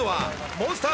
モンスター